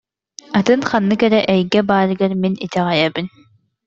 Атын ханнык эрэ эйгэ баарыгар мин итэҕэйэбин